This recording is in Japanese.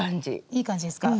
いい感じですか？